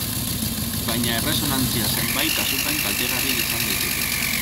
Baina erresonantzia zenbait kasutan kaltegarria izan daiteke.